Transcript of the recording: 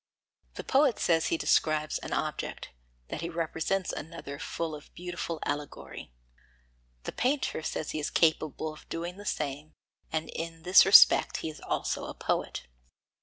The poet says he describes an object, that he represents another full of beautiful allegory; the painter says he is capable of doing the same, and in this respect he is also a poet.